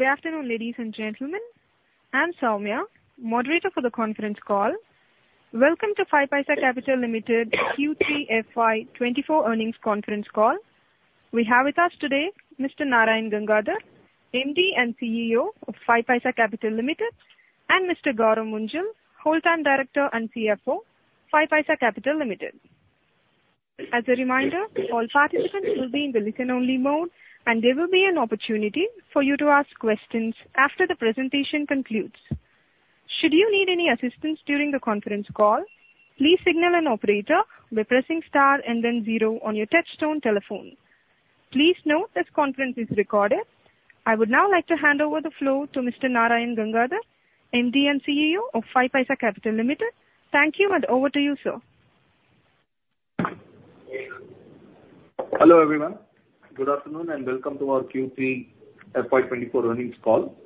Good afternoon, ladies and gentlemen. I'm Soumya, moderator for the conference call. Welcome to 5paisa Capital Limited Q3 FY24 earnings conference call. We have with us today Mr. Narayan Gangadhar, MD and CEO of 5paisa Capital Limited, and Mr. Gourav Munjal, Whole-Time Director and CFO, 5paisa Capital Limited. As a reminder, all participants will be in the listen-only mode, and there will be an opportunity for you to ask questions after the presentation concludes. Should you need any assistance during the conference call, please signal an operator by pressing star and then zero on your touchtone telephone. Please note this conference is recorded. I would now like to hand over the floor to Mr. Narayan Gangadhar, MD and CEO of 5paisa Capital Limited. Thank you, and over to you, sir. Hello, everyone. Good afternoon, and welcome to our Q3 FY 2024 earnings call.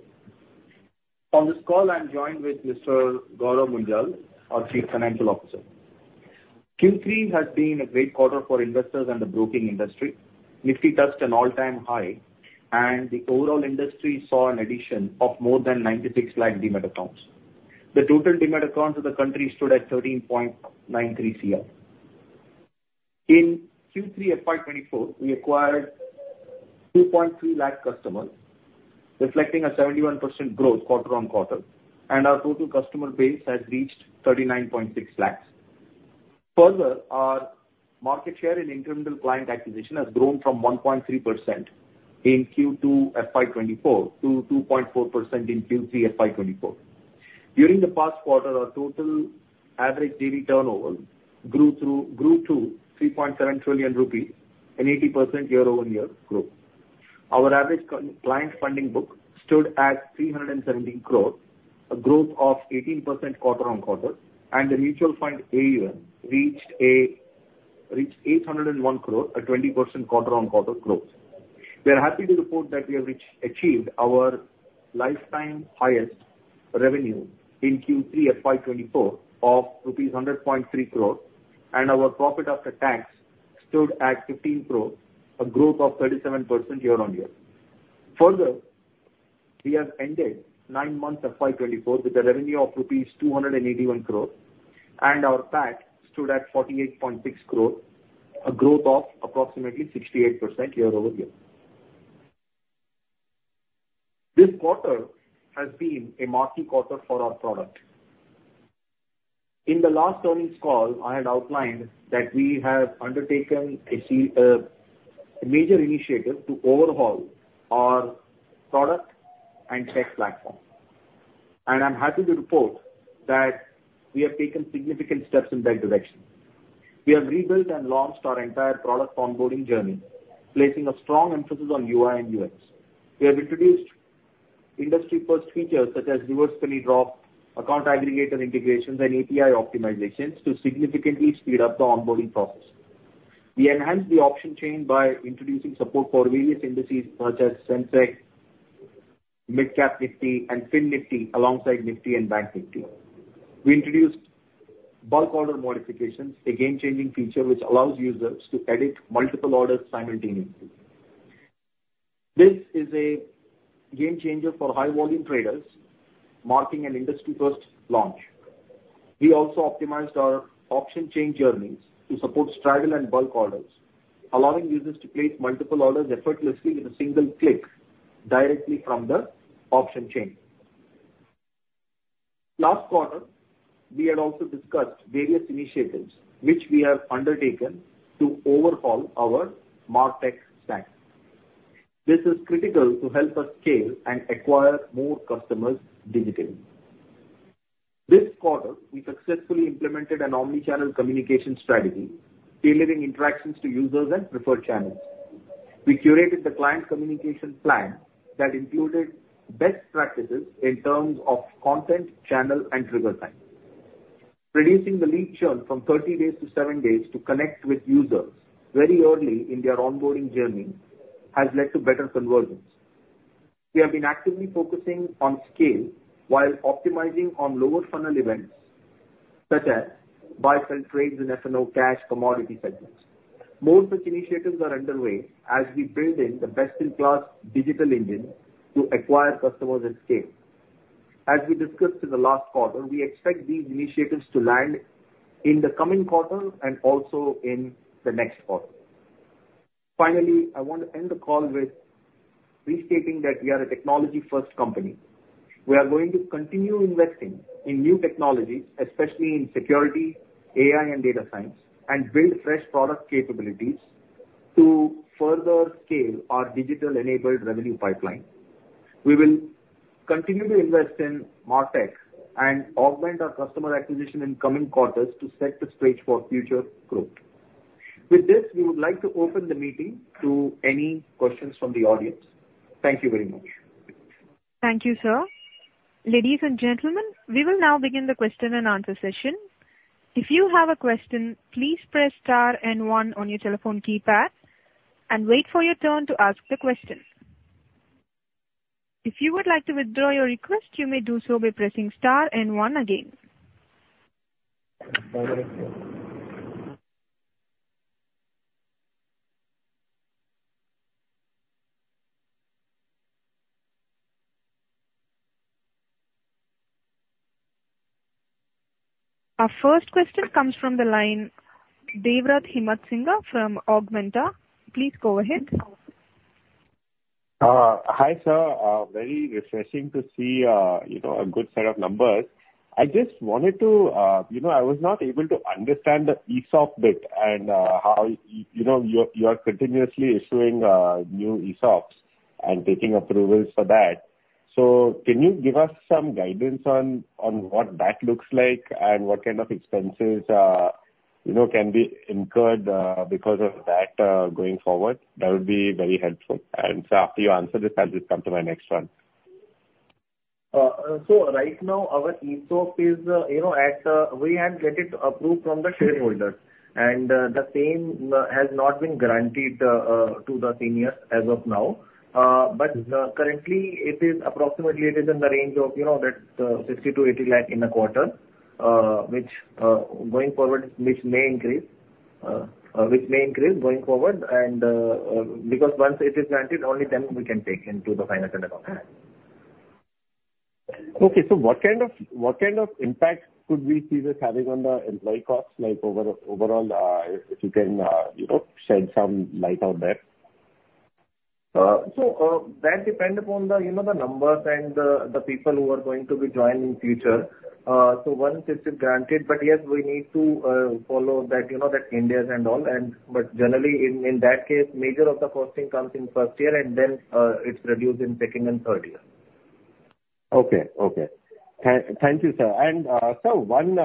On this call, I'm joined with Mr. Gourav Munjal, our Chief Financial Officer. Q3 has been a great quarter for investors and the broking industry. Nifty touched an all-time high, and the overall industry saw an addition of more than 96 lakh demat accounts. The total demat accounts of the country stood at 13.93 cr. In Q3 FY 2024, we acquired 2.3 lakh customers, reflecting a 71% growth quarter-on-quarter, and our total customer base has reached 39.6 lakhs. Further, our market share in incremental client acquisition has grown from 1.3% in Q2 FY 2024 to 2.4% in Q3 FY 2024. During the past quarter, our total average daily turnover grew to 3.7 trillion rupees, an 80% year-over-year growth. Our average client funding book stood at 317 crore, a growth of 18% quarter-on-quarter, and the mutual fund AUM reached 801 crore, a 20% quarter-on-quarter growth. We are happy to report that we have achieved our lifetime highest revenue in Q3 FY 2024 of rupees 100.3 crore, and our profit after tax stood at 15 crore, a growth of 37% year-on-year. Further, we have ended nine months FY 2024 with a revenue of rupees 281 crore, and our PAT stood at 48.6 crore, a growth of approximately 68% year-over-year. This quarter has been a marking quarter for our product. In the last earnings call, I had outlined that we have undertaken a major initiative to overhaul our product and tech platform. I'm happy to report that we have taken significant steps in that direction. We have rebuilt and launched our entire product onboarding journey, placing a strong emphasis on UI and UX. We have introduced industry-first features such as Reverse Penny Drop, Account Aggregator integrations, and API optimizations to significantly speed up the onboarding process. We enhanced the option chain by introducing support for various indices such as Sensex, Midcap Nifty and FINNIFTY, alongside Nifty and Bank Nifty. We introduced bulk order modifications, a game-changing feature which allows users to edit multiple orders simultaneously. This is a game changer for high-volume traders, marking an industry-first launch. We also optimized our option chain journeys to support straddle and bulk orders, allowing users to place multiple orders effortlessly in a single click directly from the option chain. Last quarter, we had also discussed various initiatives which we have undertaken to overhaul our MarTech stack. This is critical to help us scale and acquire more customers digitally. This quarter, we successfully implemented an omni-channel communication strategy, tailoring interactions to users and preferred channels. We curated the client communication plan that included best practices in terms of content, channel, and trigger time. Reducing the lead churn from 30 days to 7 days to connect with users very early in their onboarding journey has led to better conversions. We have been actively focusing on scale while optimizing on lower funnel events such as buy sell trades and F&O cash commodity segments. More such initiatives are underway as we build in the best-in-class digital engine to acquire customers and scale. As we discussed in the last quarter, we expect these initiatives to land in the coming quarter and also in the next quarter. Finally, I want to end the call with restating that we are a technology-first company. We are going to continue investing in new technologies, especially in security, AI, and data science, and build fresh product capabilities to further scale our digital-enabled revenue pipeline. We will continue to invest in MarTech and augment our customer acquisition in coming quarters to set the stage for future growth. With this, we would like to open the meeting to any questions from the audience. Thank you very much. Thank you, sir. Ladies and gentlemen, we will now begin the question-and-answer session. If you have a question, please press star and one on your telephone keypad and wait for your turn to ask the question. If you would like to withdraw your request, you may do so by pressing star and one again. Our first question comes from the line, Devvrat Himatsingka from Augmenta. Please go ahead. Hi, sir. Very refreshing to see, you know, a good set of numbers. I just wanted to... You know, I was not able to understand the ESOP bit and, how, you know, you are, you are continuously issuing, new ESOPs and taking approvals for that. So can you give us some guidance on, on what that looks like and what kind of expenses, you know, can be incurred, because of that, going forward? That would be very helpful. And, sir, after you answer this, I'll just come to my next one. So right now, our ESOP is, you know, at, we have get it approved from the shareholders, and, the same, has not been granted, to the seniors as of now. But, currently it is approximately it is in the range of, you know, that, 60 lakh-80 lakh in a quarter, which, going forward, which may increase, which may increase going forward. And, because once it is granted, only then we can take into the final account. Okay. So what kind of impact could we see this having on the employee costs, like, overall, if you can, you know, shed some light on that? So, that depend upon the, you know, the numbers and the, the people who are going to be joining in future. So once it is granted, but yes, we need to follow that, you know, that Ind AS and all. But generally, in, in that case, major of the costing comes in first year, and then, it's reduced in second and third year. Okay. Okay. Thank you, sir. And, sir, one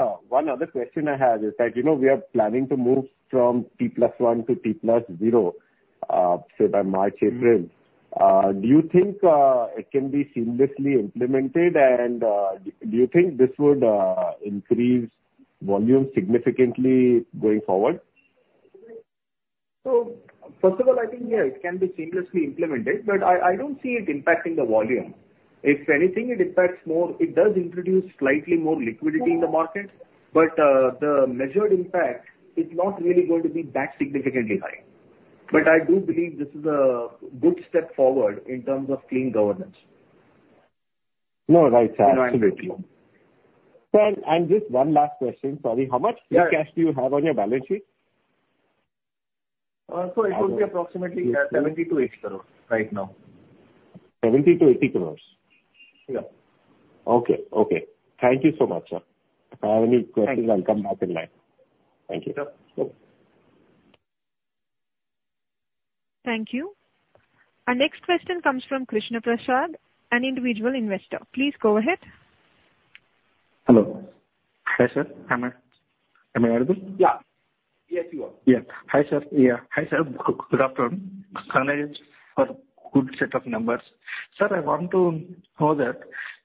other question I had is that, you know, we are planning to move from T+1 to T+0, say by March, April. Do you think it can be seamlessly implemented? And, do you think this would increase volume significantly going forward? So first of all, I think, yeah, it can be seamlessly implemented, but I don't see it impacting the volume. If anything, it impacts more, it does introduce slightly more liquidity in the market, but the measured impact is not really going to be that significantly high. But I do believe this is a good step forward in terms of clean governance. No, right, sir. Right. Absolutely. Sir, and just one last question. Sorry. Yeah. How much free cash do you have on your balance sheet? So it will be approximately 70 crore-80 crore right now. 70 crore-INR 80 crore? Yeah. Okay. Okay. Thank you so much, sir. Thank you. If I have any questions, I'll come back in line. Thank you. Sure. Thank you. Our next question comes from Krishna Prasad, an individual investor. Please go ahead. Hello. Hi, sir. Am I, am I audible? Yeah. Yes, you are. Yeah. Hi, sir. Yeah. Hi, sir. Good, good afternoon. Congratulations for good set of numbers. Sir, I want to know that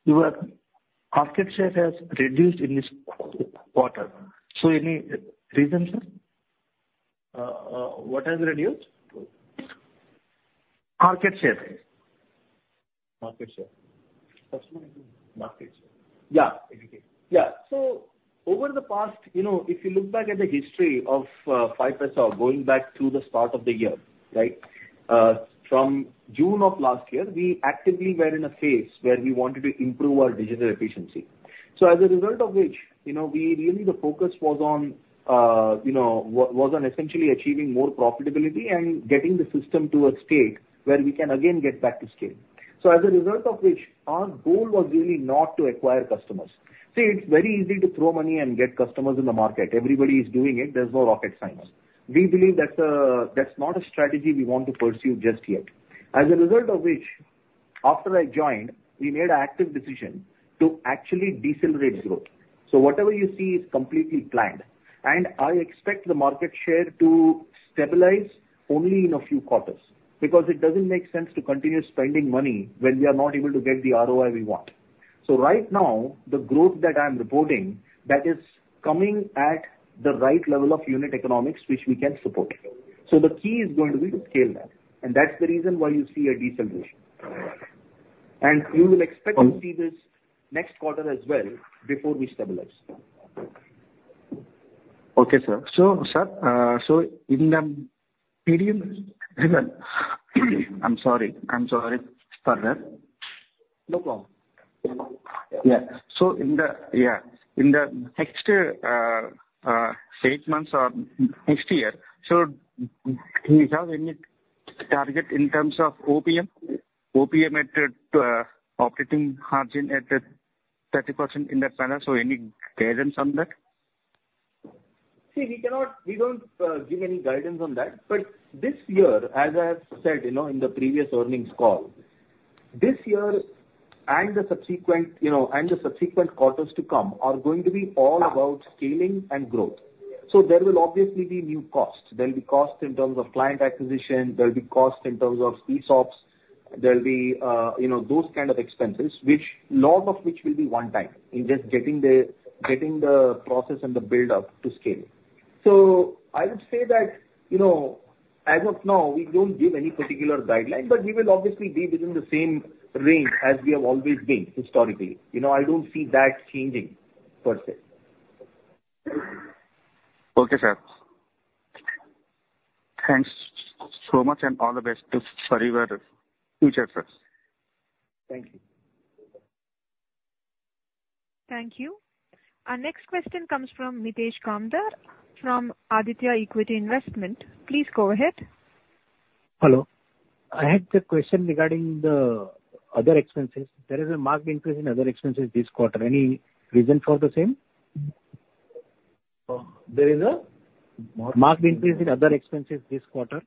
your market share has reduced in this quarter. So any reason, sir? What has reduced? Market share. Market share. What's my market share? Yeah. Okay. Yeah. So over the past, you know, if you look back at the history of 5paisa, going back to the start of the year, right? From June of last year, we actively were in a phase where we wanted to improve our digital efficiency. So as a result of which, you know, we really the focus was on, you know, was on essentially achieving more profitability and getting the system to a state where we can again get back to scale. So as a result of which, our goal was really not to acquire customers. See, it's very easy to throw money and get customers in the market. Everybody is doing it. There's no rocket science. We believe that's, that's not a strategy we want to pursue just yet. As a result of which, after I joined, we made an active decision to actually decelerate growth. So whatever you see is completely planned, and I expect the market share to stabilize only in a few quarters, because it doesn't make sense to continue spending money when we are not able to get the ROI we want. So right now, the growth that I'm reporting, that is coming at the right level of unit economics, which we can support. So the key is going to be to scale that, and that's the reason why you see a deceleration. And you will expect- Um- to see this next quarter as well, before we stabilize. Okay, sir. So, sir, so in the medium... I'm sorry. I'm sorry for that. No problem. Yeah. So in the. Yeah, in the next six months or next year, so do you have any target in terms of OPM? OPM at operating margin at 30% in the finance. So any guidance on that? See, we cannot. We don't give any guidance on that. But this year, as I have said, you know, in the previous earnings call, this year and the subsequent, you know, and the subsequent quarters to come, are going to be all about scaling and growth. So there will obviously be new costs. There'll be costs in terms of client acquisition, there'll be costs in terms of ESOPs, there'll be, you know, those kind of expenses, which a lot of which will be one time, in just getting the, getting the process and the build-up to scale. So I would say that, you know, as of now, we don't give any particular guideline, but we will obviously be within the same range as we have always been historically. You know, I don't see that changing, per se. Okay, sir. Thanks so much, and all the best to for your future, sir. Thank you. Thank you. Our next question comes from Mitesh Kamdar from Aditya Equity Investments. Please go ahead. Hello. I had a question regarding the other expenses. There is a marked increase in other expenses this quarter. Any reason for the same? There is a? Marked increase in other expenses this quarter.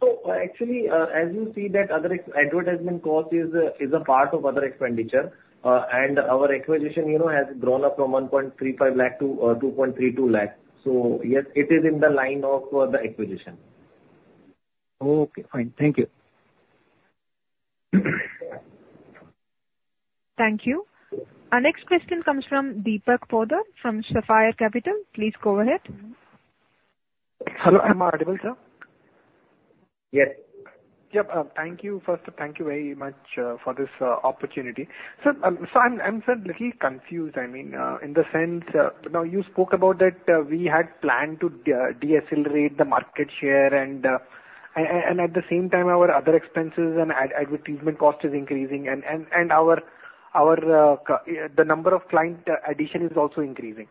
So actually, as you see that other advertisement cost is a part of other expenditure, and our acquisition, you know, has grown up from 1.35 lakh to 2.32 lakh. So yes, it is in the line of the acquisition. Okay, fine. Thank you. Thank you. Our next question comes from Deepak Poddar from Sapphire Capital. Please go ahead. Hello, am I audible, sir? Yes. Yep. Thank you. First, thank you very much for this opportunity. So, I'm a little confused, I mean, in the sense, now you spoke about that we had planned to decelerate the market share and at the same time, our other expenses and advertisement cost is increasing and our client addition is also increasing.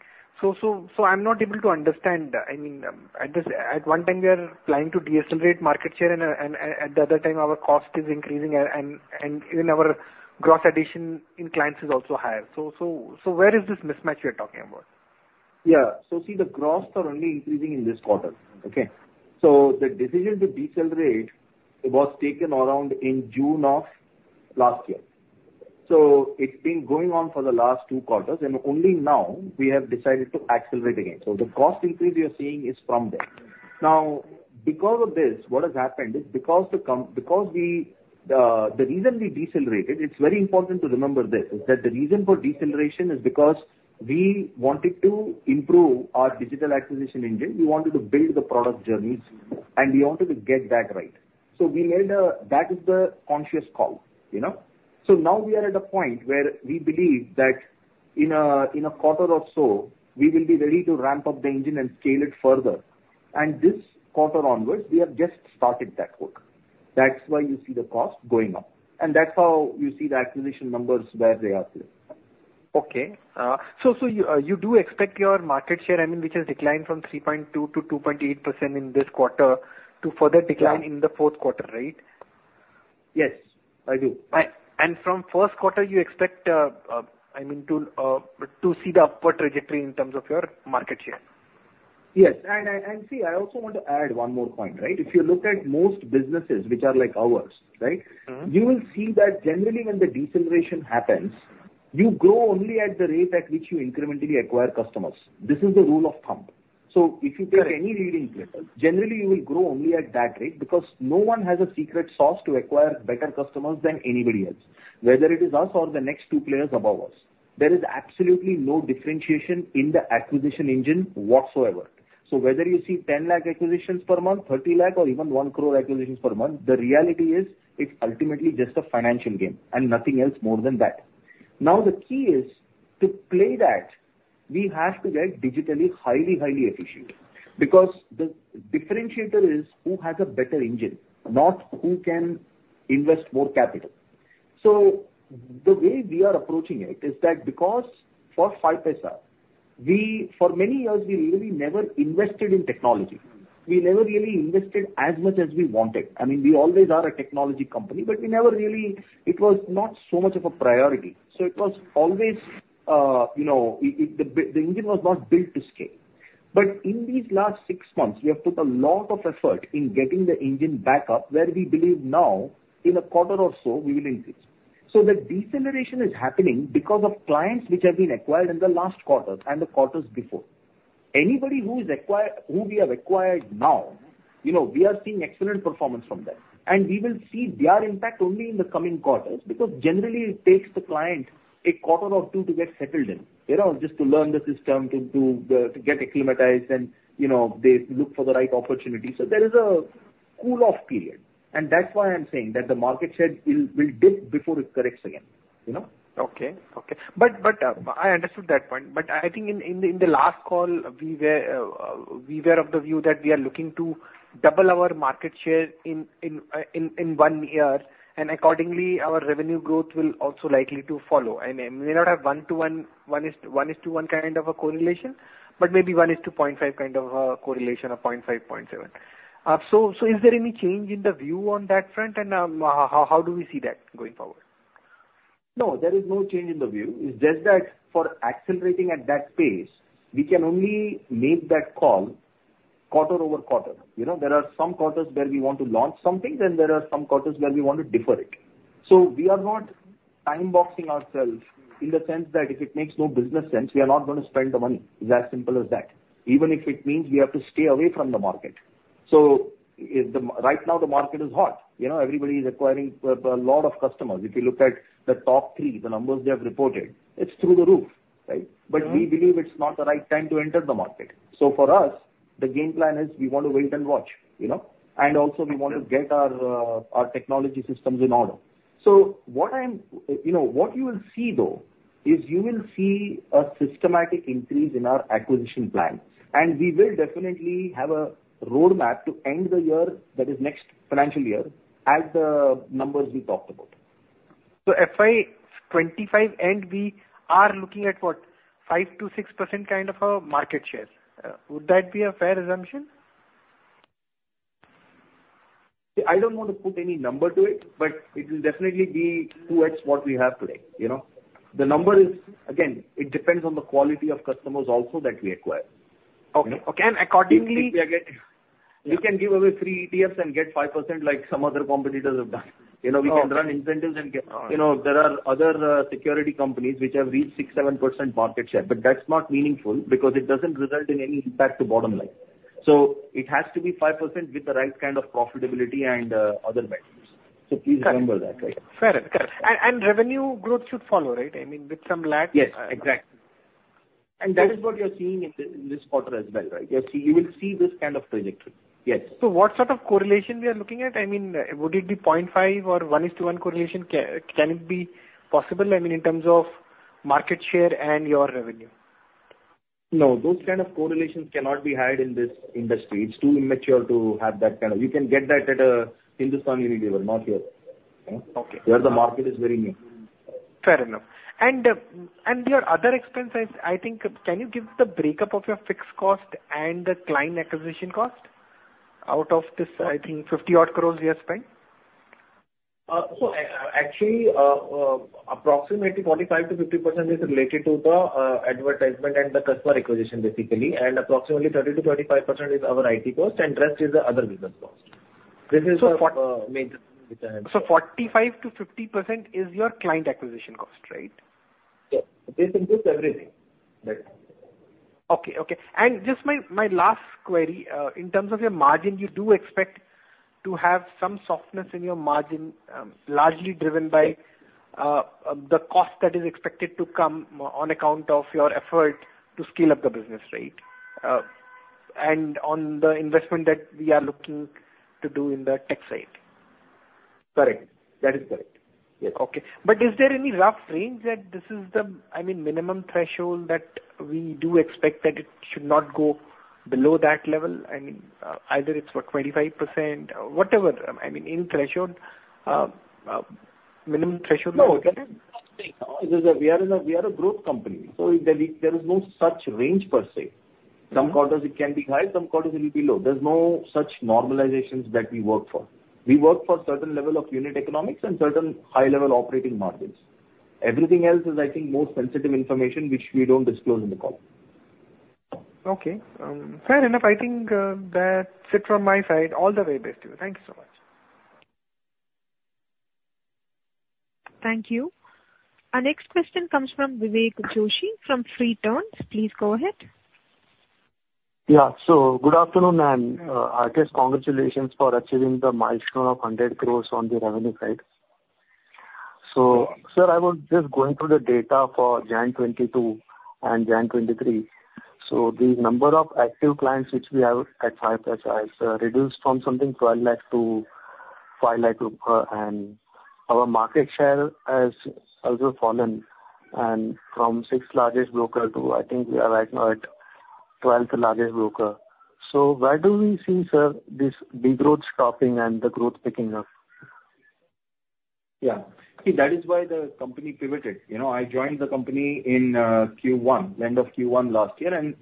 So, I'm not able to understand. I mean, at one time we are planning to decelerate market share, and at the other time our cost is increasing and even our gross addition in clients is also higher. So, where is this mismatch you're talking about? Yeah. So see, the costs are only increasing in this quarter, okay? So the decision to decelerate was taken around in June of last year. So it's been going on for the last two quarters, and only now we have decided to accelerate again. So the cost increase you're seeing is from there. Now, because of this, what has happened is, because we, the reason we decelerated, it's very important to remember this, is that the reason for deceleration is because we wanted to improve our digital acquisition engine. We wanted to build the product journeys, and we wanted to get that right. So we made a... That is the conscious call, you know? So now we are at a point where we believe that in a quarter or so, we will be ready to ramp up the engine and scale it further, and this quarter onwards, we have just started that work. That's why you see the cost going up, and that's how you see the acquisition numbers where they are today. Okay. So you do expect your market share, I mean, which has declined from 3.2% to 2.8% in this quarter to further decline- Yeah. in the fourth quarter, right? Yes, I do. From first quarter, you expect, I mean, to see the upward trajectory in terms of your market share? Yes. See, I also want to add one more point, right? If you look at most businesses which are like ours, right? You will see that generally when the deceleration happens, you grow only at the rate at which you incrementally acquire customers. This is the rule of thumb. Correct. So if you take any leading player, generally you will grow only at that rate because no one has a secret sauce to acquire better customers than anybody else, whether it is us or the next two players above us. There is absolutely no differentiation in the acquisition engine whatsoever. So whether you see 10 lakh acquisitions per month, 30 lakh, or even 1 crore acquisitions per month, the reality is, it's ultimately just a financial game and nothing else more than that. Now, the key is to play that, we have to get digitally highly, highly efficient, because the differentiator is who has a better engine, not who can invest more capital. So the way we are approaching it is that because for 5paisa, we. For many years we really never invested in technology. We never really invested as much as we wanted. I mean, we always are a technology company, but we never really... It was not so much of a priority. So it was always, you know, the engine was not built to scale. But in these last six months, we have put a lot of effort in getting the engine back up, where we believe now, in a quarter or so, we will increase. So the deceleration is happening because of clients which have been acquired in the last quarters and the quarters before. Anybody who is acquired, who we have acquired now, you know, we are seeing excellent performance from them. And we will see their impact only in the coming quarters, because generally it takes the client a quarter or two to get settled in. You know, just to learn the system, to get acclimatized and, you know, they look for the right opportunity. So there is a cool-off period, and that's why I'm saying that the market share will dip before it corrects again, you know? Okay. Okay. But, but, I understood that point, but I think in the last call, we were of the view that we are looking to double our market share in one year, and accordingly, our revenue growth will also likely to follow. And it may not have 1-to-1 kind of a correlation, but maybe 1-to-0.5 kind of a correlation, or 0.5, 0.7. So, so is there any change in the view on that front, and, how, how do we see that going forward? No, there is no change in the view. It's just that for accelerating at that pace, we can only make that call quarter-over-quarter. You know, there are some quarters where we want to launch something, then there are some quarters where we want to defer it. So we are not time boxing ourselves in the sense that if it makes no business sense, we are not going to spend the money. It's as simple as that. Even if it means we have to stay away from the market. So if the... right now, the market is hot. You know, everybody is acquiring a lot of customers. If you look at the top three, the numbers they have reported, it's through the roof, right? Mm-hmm. We believe it's not the right time to enter the market. For us, the game plan is we want to wait and watch, you know, and also we want to get our technology systems in order. What I'm you know, what you will see though, is you will see a systematic increase in our acquisition plan, and we will definitely have a roadmap to end the year, that is next financial year, at the numbers we talked about. FY 25, and we are looking at what? 5%-6% kind of a market share. Would that be a fair assumption? See, I don't want to put any number to it, but it will definitely be 2x what we have today, you know. The number is, again, it depends on the quality of customers also that we acquire. Okay. Okay, and accordingly- We can give away free ETFs and get 5% like some other competitors have done. You know, we can run incentives and get. You know, there are other security companies which have reached 6%-7% market share, but that's not meaningful because it doesn't result in any impact to bottom line. So it has to be 5% with the right kind of profitability and other metrics. So please remember that, right? Fair enough. And revenue growth should follow, right? I mean, with some lag- Yes, exactly. And that is what you're seeing in this quarter as well, right? You'll see, you will see this kind of trajectory. Yes. So what sort of correlation we are looking at? I mean, would it be 0.5 or 1:1 correlation? Can it be possible, I mean, in terms of market share and your revenue? No, those kind of correlations cannot be had in this industry. It's too immature to have that kind of... You can get that at a Hindustan Unilever, not here. Okay. Where the market is very new. Fair enough. And, and your other expenses, I think, can you give the breakup of your fixed cost and the client acquisition cost out of this, I think, 50 odd crores you have spent? So actually, approximately 45%-50% is related to the advertisement and the customer acquisition, basically, and approximately 30%-35% is our IT cost, and rest is the other business cost. This is the major- 45%-50% is your client acquisition cost, right? Yeah. This includes everything. Right. Okay, okay. And just my, my last query, in terms of your margin, you do expect to have some softness in your margin, largely driven by, the cost that is expected to come on account of your effort to scale up the business, right? And on the investment that we are looking to do in the tech side. Correct. That is correct. Yes. Okay. But is there any rough range that this is the, I mean, minimum threshold that we do expect that it should not go below that level? I mean, either it's for 25%, whatever, I mean, in threshold, minimum threshold? No, that is nothing. No, it is. We are a growth company, so there is, there is no such range per se. Some quarters it can be high, some quarters it will be low. There's no such normalizations that we work for. We work for certain level of unit economics and certain high-level operating margins. Everything else is, I think, more sensitive information, which we don't disclose in the call. Okay. Fair enough. I think, that's it from my side. All the way best to you. Thank you so much. Thank you. Our next question comes from Vivek Joshi from Freeturns. Please go ahead. Yeah. So good afternoon, and, I guess congratulations for achieving the milestone of 100 crore on the revenue side. So, sir, I was just going through the data for January 2022 and January 2023. So the number of active clients which we have at 5paisa has reduced from something 12 lakh to 5 lakh, and our market share has also fallen from sixth largest broker to I think we are right now at twelfth largest broker. So where do we see, sir, this degrowth stopping and the growth picking up? Yeah. See, that is why the company pivoted. You know, I joined the company in Q1, end of Q1 last year, and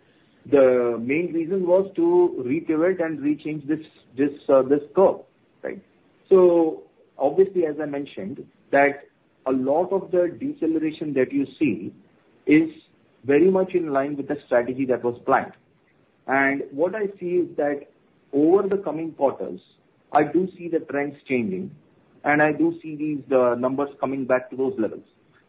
the main reason was to repivot and rechange this, this, this curve, right? So obviously, as I mentioned, that a lot of the deceleration that you see is very much in line with the strategy that was planned. And what I see is that over the coming quarters, I do see the trends changing, and I do see these numbers coming back to those levels.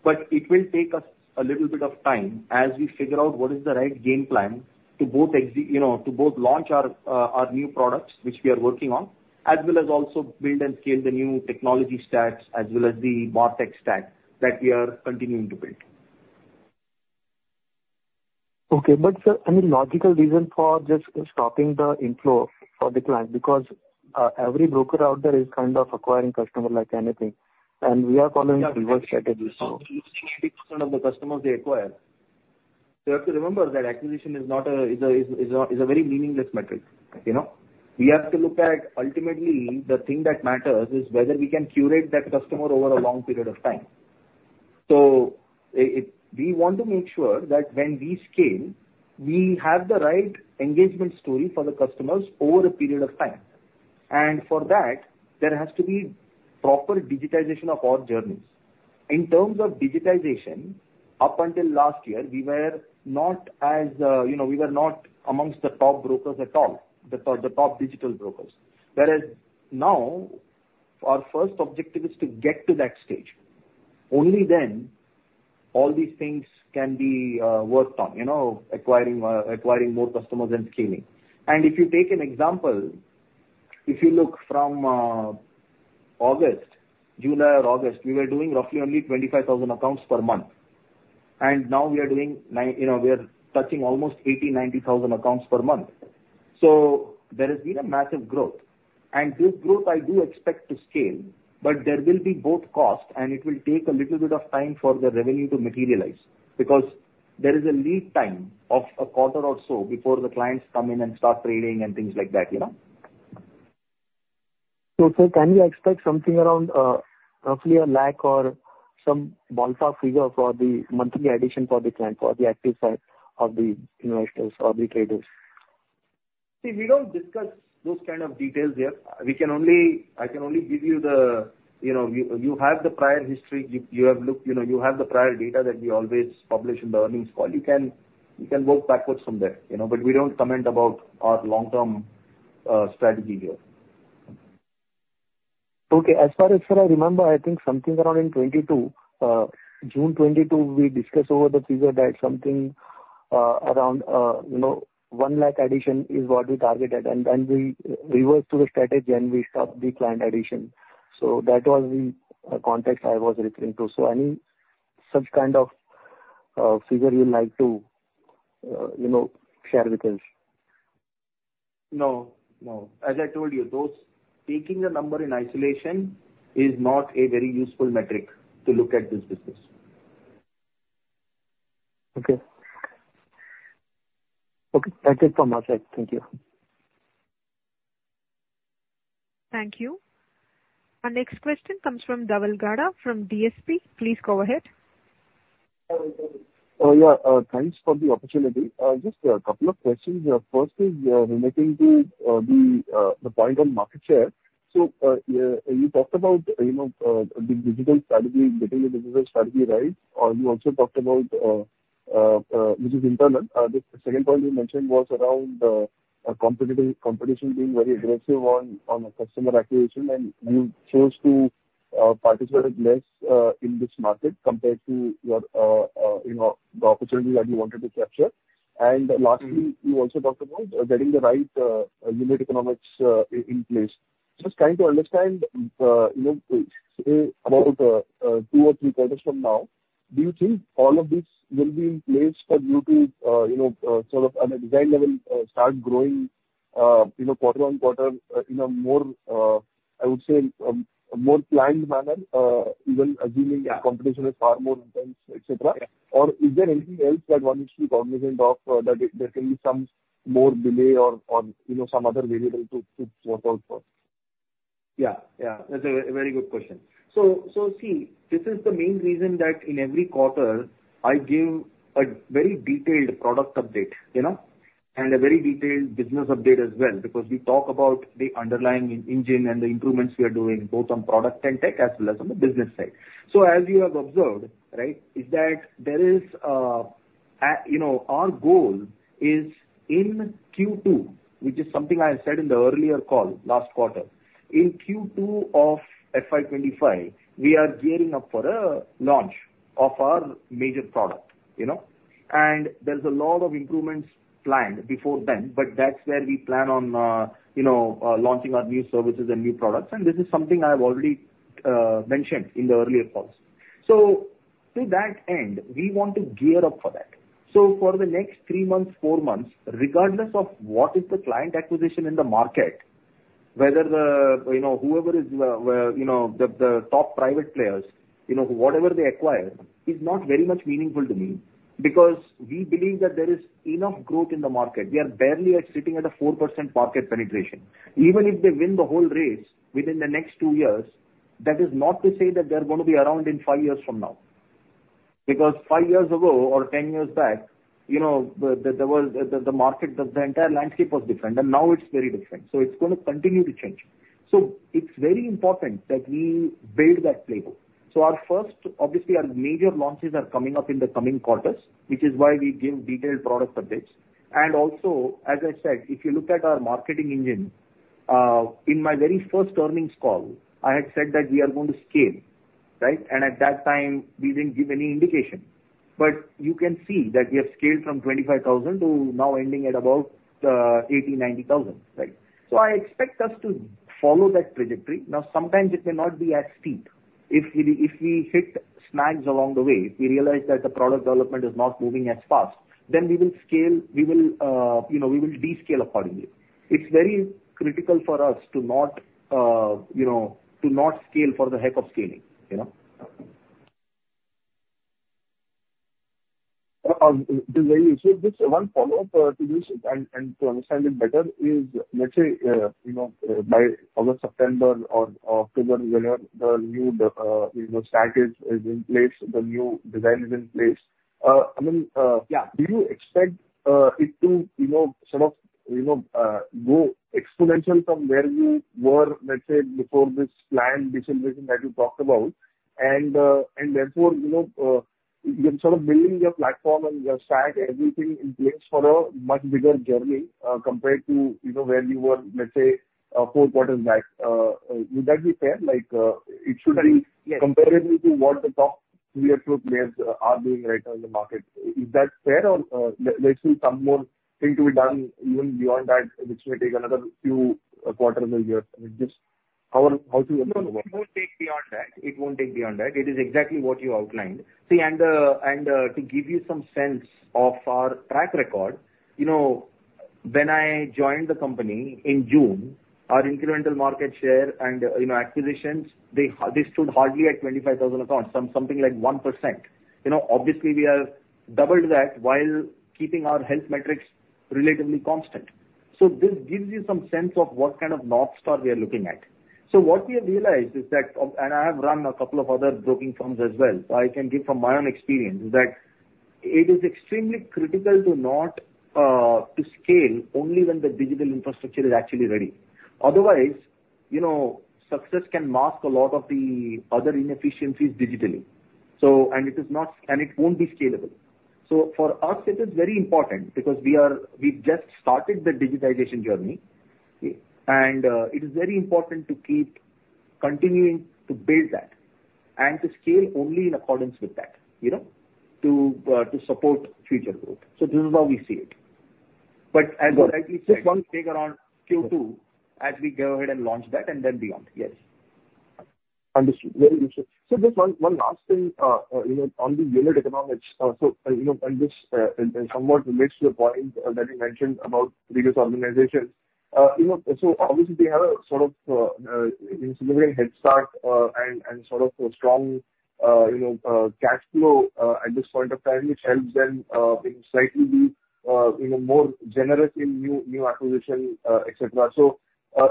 But it will take us a little bit of time as we figure out what is the right game plan to both ex... You know, to both launch our new products, which we are working on, as well as also build and scale the new technology stacks, as well as the MarTech stack that we are continuing to build. Okay. But, sir, any logical reason for just stopping the inflow for the client? Because, every broker out there is kind of acquiring customer like anything, and we are following reverse strategy, so. 80% of the customers they acquire. You have to remember that acquisition is a very meaningless metric, you know? We have to look at ultimately the thing that matters is whether we can curate that customer over a long period of time. So it... We want to make sure that when we scale, we have the right engagement story for the customers over a period of time, and for that there has to be proper digitization of all journeys. In terms of digitization, up until last year, we were not as, you know, we were not amongst the top brokers at all, the, the top digital brokers. Whereas now, our first objective is to get to that stage. Only then all these things can be worked on, you know, acquiring, acquiring more customers and scaling. If you take an example, if you look from August, July or August, we were doing roughly only 25,000 accounts per month... and now we are touching almost 80,000-90,000 accounts per month. So there has been a massive growth, and this growth I do expect to scale, but there will be both cost, and it will take a little bit of time for the revenue to materialize, because there is a lead time of a quarter or so before the clients come in and start trading and things like that, you know? Sir, can we expect something around, roughly a lakh or some ballpark figure for the monthly addition for the client, for the active side of the investors or the traders? See, we don't discuss those kind of details here. We can only. I can only give you the... You know, you have the prior history. You have looked, you know, you have the prior data that we always publish in the earnings call. You can work backwards from there, you know. But we don't comment about our long-term strategy here. Okay. As far as, sir, I remember, I think something around in 2022, June 2022, we discussed over the figure that something, around, you know, 100,000 addition is what we targeted, and, and we reversed to the strategy and we stopped the client addition. So that was the, context I was referring to. So any such kind of, figure you'd like to, you know, share with us? No, no. As I told you, those taking a number in isolation is not a very useful metric to look at this business. Okay. Okay, that's it from my side. Thank you. Thank you. Our next question comes from Dhaval Gada from DSP. Please go ahead. Yeah, thanks for the opportunity. Just a couple of questions. First is relating to the point on market share. So, you talked about, you know, the digital strategy, getting the digital strategy right. You also talked about which is internal. The second point you mentioned was around competition being very aggressive on customer acquisition, and you chose to participate less in this market compared to your, you know, the opportunity that you wanted to capture. And lastly, you also talked about getting the right unit economics in place. Just trying to understand, you know, say, about, 2 or 3 quarters from now, do you think all of this will be in place for you to, you know, sort of on a design level, start growing, you know, quarter-on-quarter, in a more, I would say, a more planned manner, even assuming- Yeah. the competition is far more intense, et cetera? Yeah. Or is there anything else that one should be cognizant of, that there can be some more delay or, you know, some other variable to watch out for? Yeah, yeah, that's a very good question. So, so see, this is the main reason that in every quarter I give a very detailed product update, you know, and a very detailed business update as well, because we talk about the underlying engine and the improvements we are doing, both on product and tech, as well as on the business side. So as you have observed, right, is that there is. You know, our goal is in Q2, which is something I said in the earlier call, last quarter. In Q2 of FY 25, we are gearing up for a launch of our major product, you know, and there's a lot of improvements planned before then, but that's where we plan on, you know, launching our new services and new products, and this is something I've already mentioned in the earlier calls. So to that end, we want to gear up for that. So for the next 3 months, 4 months, regardless of what is the client acquisition in the market, whether the, you know, whoever is, you know, the, the, top private players, you know, whatever they acquire is not very much meaningful to me, because we believe that there is enough growth in the market. We are barely at sitting at a 4% market penetration. Even if they win the whole race, within the next 2 years, that is not to say that they're going to be around in 5 years from now. Because 5 years ago or 10 years back, you know, the, the, there was, the, the market, the, the entire landscape was different, and now it's very different. So it's going to continue to change. So it's very important that we build that playbook. So our first, obviously, our major launches are coming up in the coming quarters, which is why we give detailed product updates. And also, as I said, if you look at our marketing engine, in my very first earnings call, I had said that we are going to scale, right? And at that time, we didn't give any indication. But you can see that we have scaled from 25,000 to now ending at about 80,000-90,000, right? So I expect us to follow that trajectory. Now, sometimes it may not be as steep. If we hit snags along the way, if we realize that the product development is not moving as fast, then we will scale. We will, you know, we will descale accordingly. It's very critical for us to not, you know, to not scale for the heck of scaling, you know? Just one follow-up to this, and to understand it better is, let's say, you know, by August, September or October, whenever the new, you know, strategy is in place, the new design is in place, I mean. Yeah. Do you expect it to, you know, sort of, you know, go exponential from where you were, let's say, before this planned deceleration that you talked about? And, and therefore, you know, you're sort of building your platform and your stack, everything in place for a much bigger journey, compared to, you know, where you were, let's say, four quarters back. Would that be fair? Like, it should be- Yes. -comparable to what the top three or four players are doing right now in the market. Is that fair or, there, there's still some more thing to be done even beyond that, which may take another few quarters or years? I mean, just...... No, it won't take beyond that. It won't take beyond that. It is exactly what you outlined. See, and, and, to give you some sense of our track record, you know, when I joined the company in June, our incremental market share and, you know, acquisitions, they, they stood hardly at 25,000 accounts, something like 1%. You know, obviously, we have doubled that while keeping our health metrics relatively constant. So this gives you some sense of what kind of North Star we are looking at. So what we have realized is that, and I have run a couple of other broking firms as well, so I can give from my own experience, is that it is extremely critical to not, to scale only when the digital infrastructure is actually ready. Otherwise, you know, success can mask a lot of the other inefficiencies digitally. So, and it is not, and it won't be scalable. So for us it is very important because we are- we've just started the digitization journey, okay? And, it is very important to keep continuing to build that and to scale only in accordance with that, you know, to, to support future growth. So this is how we see it. But as rightly said, it won't take around Q2 as we go ahead and launch that and then beyond. Yes. Understood. Very interesting. So just one, one last thing, you know, on the unit economics. So, you know, and this, and, and somewhat relates to the point that you mentioned about previous organizations. You know, so obviously they have a sort of, significant head start, and, and sort of a strong, you know, cash flow, at this point of time, which helps them, being slightly, you know, more generous in new, new acquisition, et cetera. So,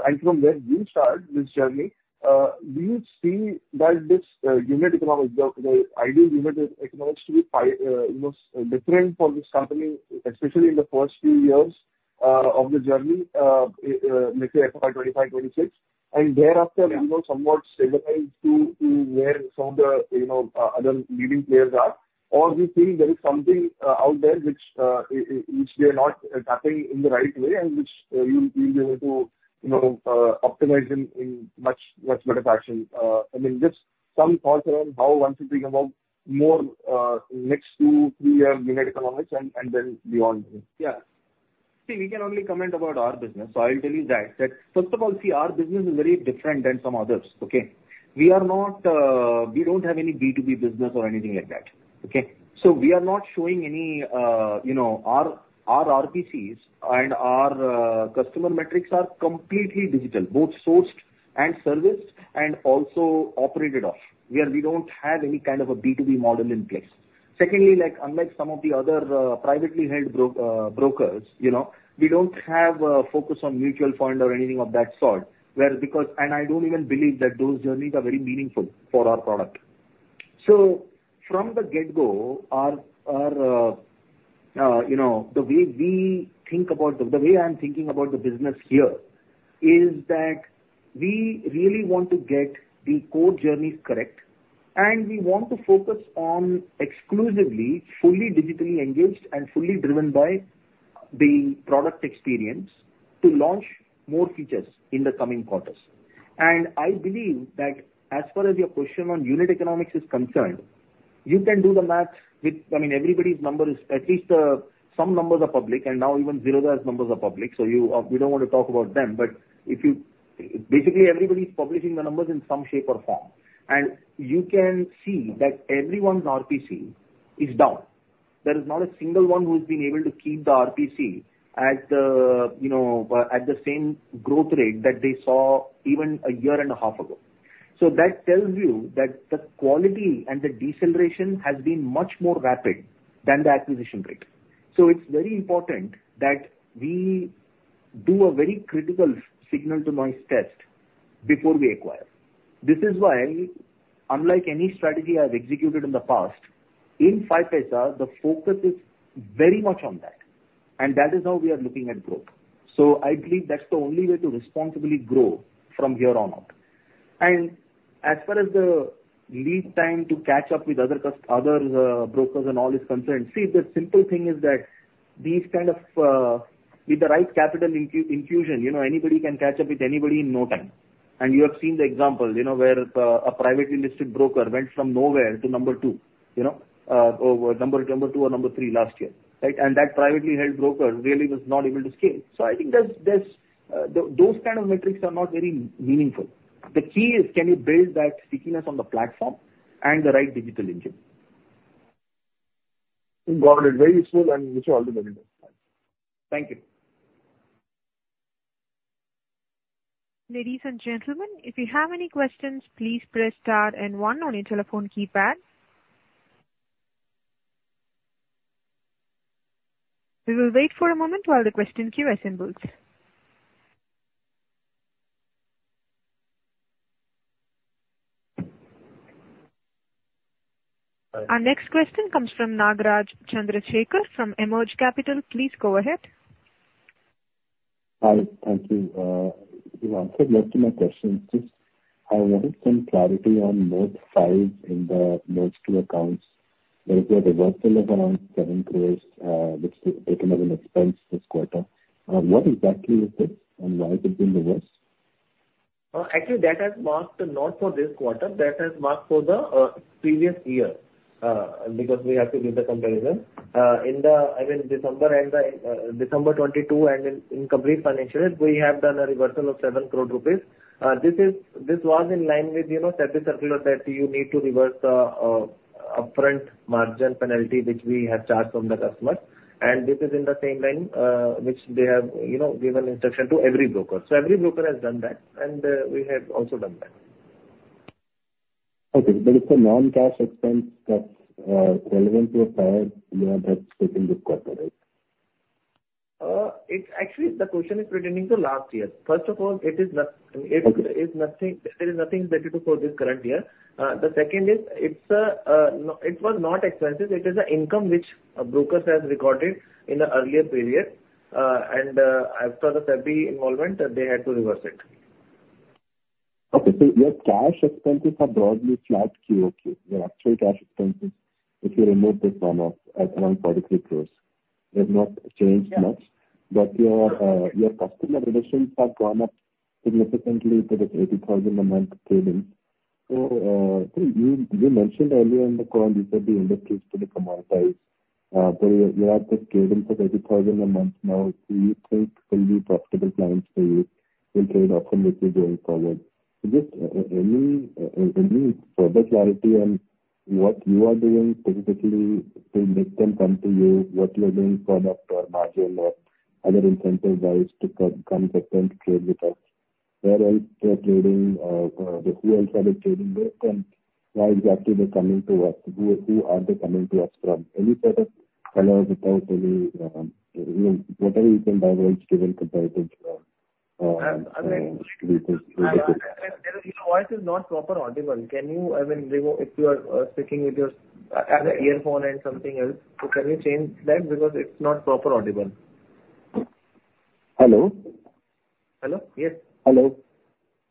and from where you start this journey, do you see that this, unit economics, the, the ideal unit economics to be fi-, you know, different for this company, especially in the first few years, of the journey, let's say FY 2025, 2026, and thereafter- Yeah... you know, somewhat stabilized to where some of the, you know, other leading players are? Or we think there is something out there which we are not tapping in the right way, and which you, you'll be able to, you know, optimize in much, much better fashion. I mean, just some thoughts around how one should think about more next two, three-year unit economics and then beyond. Yeah. See, we can only comment about our business, so I will tell you that, that first of all, see, our business is very different than some others, okay? We are not, we don't have any B2B business or anything like that, okay? So we are not showing any, you know, our, our RPCs and our, customer metrics are completely digital, both sourced and serviced and also operated off, where we don't have any kind of a B2B model in place. Secondly, like, unlike some of the other, privately held brokers, you know, we don't have a focus on mutual fund or anything of that sort, where because... And I don't even believe that those journeys are very meaningful for our product. So from the get-go, you know, the way we think about the way I'm thinking about the business here is that we really want to get the core journeys correct, and we want to focus on exclusively, fully digitally engaged and fully driven by the product experience to launch more features in the coming quarters. And I believe that as far as your question on unit economics is concerned, you can do the math with, I mean, everybody's numbers, at least, some numbers are public, and now even Zerodha's numbers are public, so you, we don't want to talk about them. But if you... Basically, everybody's publishing the numbers in some shape or form, and you can see that everyone's RPC is down. There is not a single one who's been able to keep the RPC at the, you know, at the same growth rate that they saw even a year and a half ago. So that tells you that the quality and the deceleration has been much more rapid than the acquisition rate. So it's very important that we do a very critical signal-to-noise test before we acquire. This is why, unlike any strategy I've executed in the past, in 5paisa, the focus is very much on that, and that is how we are looking at growth. So I believe that's the only way to responsibly grow from here on out. As far as the lead time to catch up with other brokers and all is concerned, see, the simple thing is that these kind of, with the right capital infusion, you know, anybody can catch up with anybody in no time. And you have seen the example, you know, where a privately listed broker went from nowhere to number two, you know, over number, number two or number three last year, right? And that privately held broker really was not able to scale. So I think that's those kind of metrics are not very meaningful. The key is, can you build that stickiness on the platform and the right digital engine? Got it. Very useful and useful to everybody. Thank you. Ladies and gentlemen, if you have any questions, please press star and one on your telephone keypad. We will wait for a moment while the question queue assembles. Our next question comes from Nagaraj Chandrasekar from Emerge Capital. Please go ahead. Hi. Thank you. You answered most of my questions. Just I wanted some clarity on note five in the notes to accounts. There is a reversal of around 7 crore, which is taken as an expense this quarter. What exactly is it, and why has it been reversed? Actually, that has marked not for this quarter, that has marked for the previous year, because we have to give the comparison. I mean, in the December and the December 2022 and in complete financial year, we have done a reversal of 7 crore rupees. This is- this was in line with, you know, SEBI circular that you need to reverse the upfront margin penalty, which we have charged from the customer. And this is in the same line, which they have, you know, given instruction to every broker. So every broker has done that, and we have also done that. Okay. But it's a non-cash expense that's relevant to a prior year that's taken with corporate? It's actually the question is pertaining to last year. First of all, it is not- Okay. It is nothing, it is nothing that you do for this current year. The second is, it's not expenses, it is an income which a broker has recorded in the earlier period, and after the SEBI involvement, they had to reverse it. Okay, so your cash expenses are broadly flat QOQ, your actual cash expenses, if you remove this one-off at around 43 crore, has not changed much. Yeah. But your, your customer acquisitions have gone up significantly to this 80,000 a month scaling. So, you, you mentioned earlier in the call, you said the industry is fully commoditized, but you have the scaling for 80,000 a month now, do you think will be profitable clients for you in trade optimally going forward? Just any further clarity on what you are doing specifically to make them come to you, what you are doing product or margin or other incentive-wise to come, come to them to trade with us? Where else they are trading, who else are they trading with, and why exactly they're coming to us, who, who are they coming to us from? Any sort of color without any, you know, whatever you can leverage given competitive, I, your voice is not proper audible. Can you. I mean, you know, if you are speaking with your earphone and something else, so can you change that? Because it's not proper audible. Hello? Hello, yes. Hello.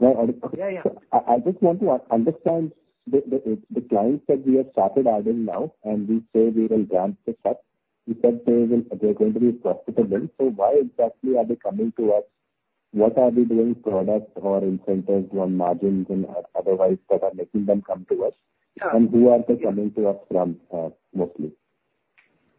Am I audible? Yeah, yeah. I just want to understand the clients that we have started adding now, and we say we will ramp this up. You said they're going to be profitable, so why exactly are they coming to us? What are we doing, product or incentives or margins and otherwise, that are making them come to us? Yeah. Who are they coming to us from, mostly?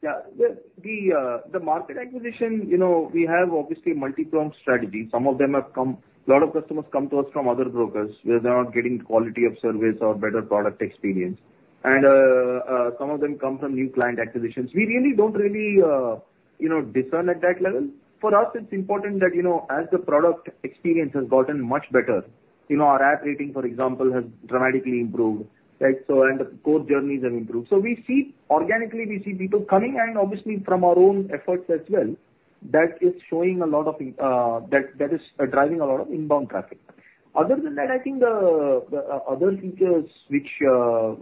Yeah. The market acquisition, you know, we have obviously a multi-pronged strategy. Some of them have come... A lot of customers come to us from other brokers, where they are not getting quality of service or better product experience. And, some of them come from new client acquisitions. We really don't, you know, discern at that level. For us, it's important that, you know, as the product experience has gotten much better, you know, our app rating, for example, has dramatically improved, right? So, and the core journeys have improved. So we see, organically, we see people coming and obviously from our own efforts as well, that is showing a lot of, that is driving a lot of inbound traffic. Other than that, I think the other features which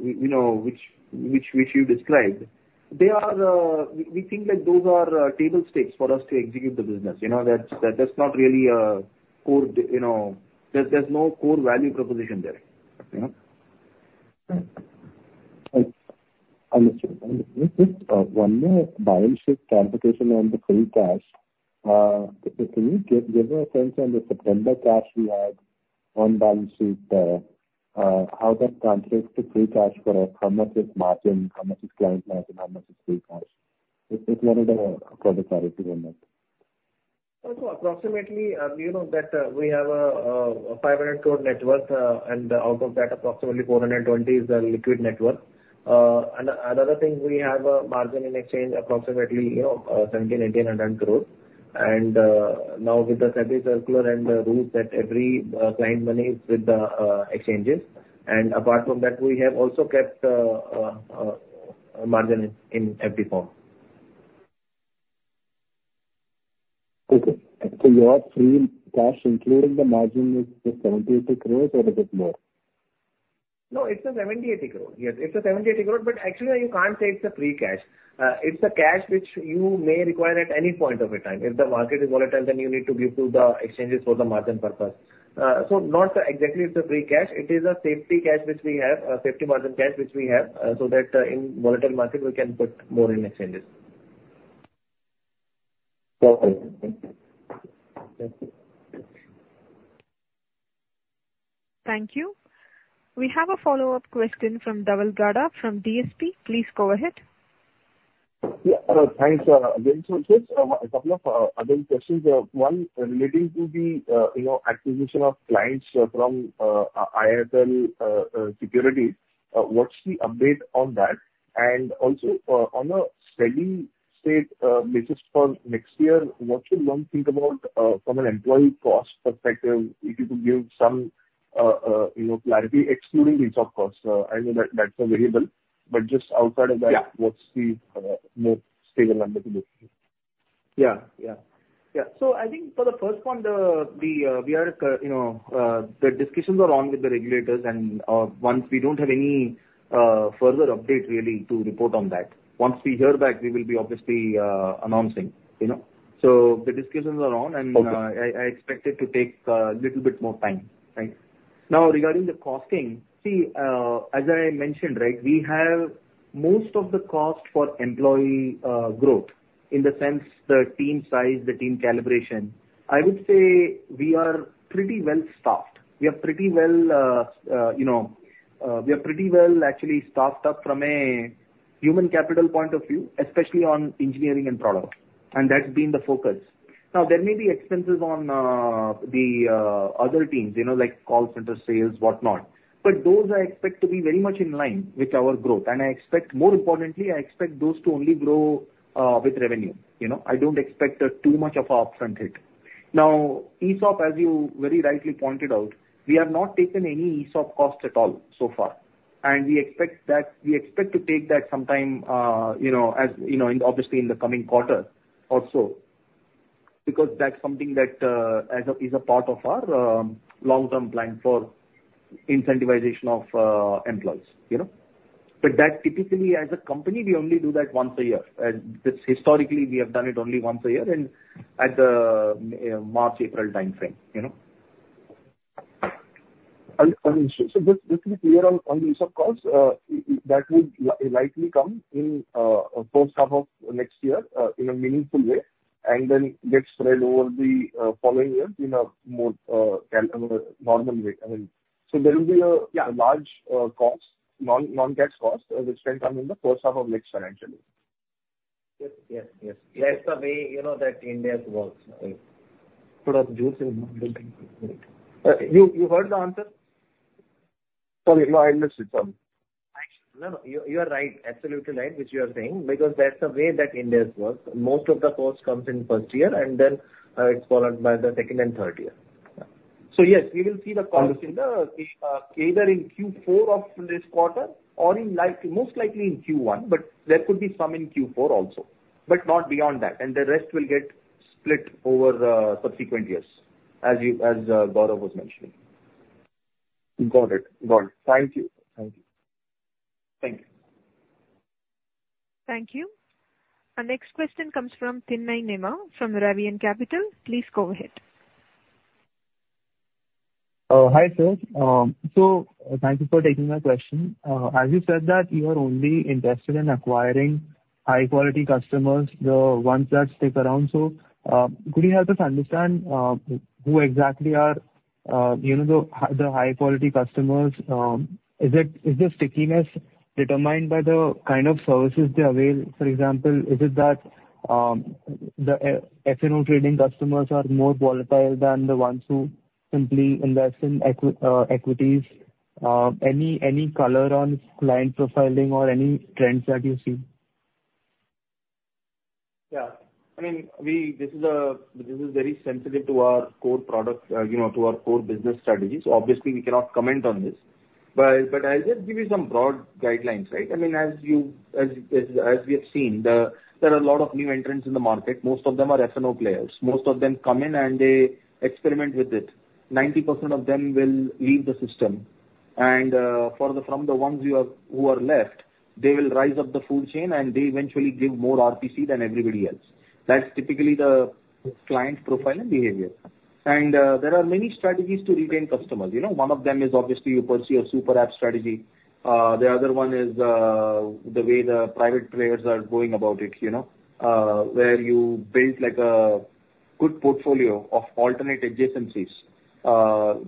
we, you know, which you described, they are. We think that those are table stakes for us to execute the business. You know, that's not really a core, you know, there's no core value proposition there, you know? Right. Understood. Just one more balance sheet clarification on the free cash. Can you give a sense on the September cash you had on balance sheet, how that translates to free cash flow? How much is margin, how much is client margin, how much is free cash? If you wanted a product clarity on that. So approximately, you know that we have 500 crore net worth, and out of that, approximately 420 crore is the liquid net worth. Another thing, we have a margin in exchange, approximately, you know, 1,700-1,800 crore. And now with the SEBI circular and the rules that every client money is with the exchanges, and apart from that, we have also kept margin in MTF form. Okay. So your free cash, including the margin, is 70 crore-80 crore or is it more? No, it's 70 crore-80 crore. Yes, it's 70 crore-80 crore, but actually you can't say it's a free cash. It's a cash which you may require at any point of a time. If the market is volatile, then you need to give to the exchanges for the margin purpose. So not exactly it's a free cash, it is a safety cash which we have, a safety margin cash which we have, so that, in volatile market, we can put more in exchanges. Okay. Thank you. Thank you. We have a follow-up question from Dhaval Gada from DSP. Please go ahead. Yeah. Thanks, again. So just a couple of other questions. One relating to the, you know, acquisition of clients from IIFL Securities. What's the update on that? And also, on a steady state basis for next year, what should one think about from an employee cost perspective? If you could give some, you know, clarity, excluding ESOP costs. I know that that's a variable, but just outside of that- Yeah. What's the more stable number to look at? Yeah, yeah. Yeah, so I think for the first one, we are, you know, the discussions are on with the regulators, and once we don't have any further update really to report on that. Once we hear back, we will be obviously announcing, you know? So the discussions are on- Okay. I expect it to take little bit more time. Right? Now, regarding the costing: See, as I mentioned, right, we have most of the cost for employee growth, in the sense the team size, the team calibration. I would say we are pretty well staffed. We are pretty well, you know, we are pretty well actually staffed up from a human capital point of view, especially on engineering and product, and that's been the focus. Now, there may be expenses on the other teams, you know, like call center sales, whatnot, but those I expect to be very much in line with our growth. And I expect, more importantly, I expect those to only grow with revenue, you know? I don't expect too much of a upfront hit. Now, ESOP, as you very rightly pointed out, we have not taken any ESOP cost at all so far, and we expect that—we expect to take that sometime, you know, as you know, in obviously in the coming quarter or so, because that's something that, as a, is a part of our long-term plan for incentivization of employees, you know? But that typically, as a company, we only do that once a year, and just historically, we have done it only once a year and at the March, April timeframe, you know? So just to be clear on the ESOP costs, that would likely come in first half of next year in a meaningful way, and then get spread over the following years in a more normal way. I mean, so there will be a- Yeah. large non-cash cost, which can come in the first half of next financial year. Yes, yes, yes. That's the way, you know, that India works. You, you heard the answer? Sorry, no, I missed it. Sorry. No, no, you are right. Absolutely right, what you are saying, because that's the way that India works. Most of the cost comes in first year, and then, it's followed by the second and third year. So yes, we will see the cost in the, either in Q4 of this quarter or in likely, most likely in Q1, but there could be some in Q4 also, but not beyond that, and the rest will get split over the subsequent years, as you, Gourav was mentioning. Got it. Got it. Thank you. Thank you. Thank you. Thank you. Our next question comes from Thinnai Nima from Rivean Capital. Please go ahead. Hi, sir. So thank you for taking my question. As you said, that you are only interested in acquiring high-quality customers, the ones that stick around, so could you help us understand who exactly are, you know, the high-quality customers? Is it, is the stickiness determined by the kind of services they avail? For example, is it that the F&O trading customers are more volatile than the ones who simply invest in equities? Any color on client profiling or any trends that you see? Yeah. I mean, we, this is, this is very sensitive to our core product, you know, to our core business strategy, so obviously we cannot comment on this. But, but I'll just give you some broad guidelines, right? I mean, as you, as, as, as we have seen, the, there are a lot of new entrants in the market. Most of them are F&O players. Most of them come in and they experiment with it. 90% of them will leave the system, and, for the, from the ones you are, who are left, they will rise up the food chain, and they eventually give more RPC than everybody else. That's typically the client profile and behavior. And, there are many strategies to retain customers, you know? One of them is obviously you pursue a super app strategy. The other one is, the way the private players are going about it, you know, where you build like a good portfolio of alternate adjacencies.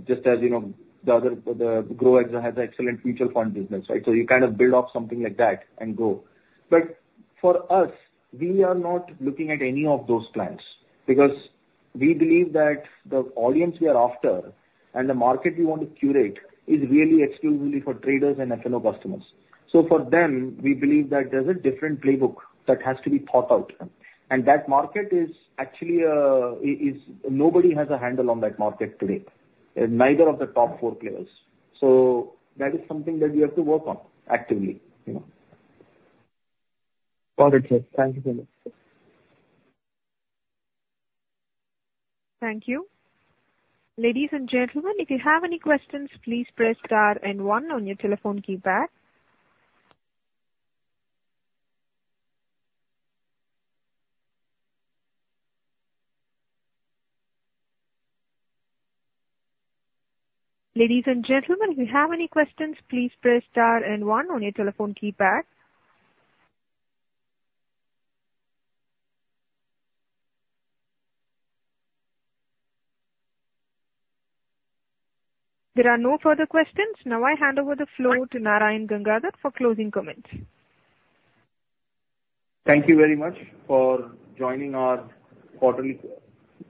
Just as you know, the other, the has excellent mutual fund business, right? So you kind of build off something like that and grow. But for us, we are not looking at any of those plans, because we believe that the audience we are after and the market we want to curate is really exclusively for traders and F&O customers. So for them, we believe that there's a different playbook that has to be thought out, and that market is actually Nobody has a handle on that market today, neither of the top four players. So that is something that we have to work on actively, you know. Got it, sir. Thank you very much. Thank you. Ladies and gentlemen, if you have any questions, please press star and one on your telephone keypad. Ladies and gentlemen, if you have any questions, please press star and one on your telephone keypad. There are no further questions. Now I hand over the floor to Narayan Gangadhar for closing comments. Thank you very much for joining our quarterly,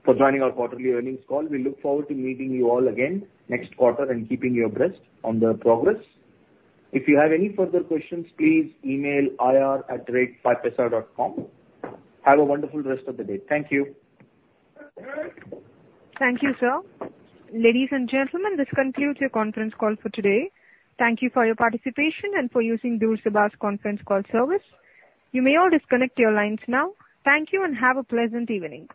for joining our quarterly earnings call. We look forward to meeting you all again next quarter and keeping you abreast on the progress. If you have any further questions, please email ir@5paisa.com. Have a wonderful rest of the day. Thank you. Thank you, sir. Ladies and gentlemen, this concludes your conference call for today. Thank you for your participation and for using Durbhash Conference Call Service. You may all disconnect your lines now. Thank you, and have a pleasant evening.